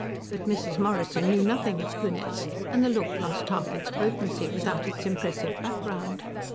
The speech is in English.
But Mrs. Morrison knew nothing of Kunitz, and the look lost half its potency without its impressive background.